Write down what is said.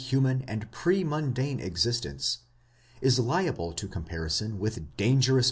human and pre mundane existence, is liable to comparison with dangerous.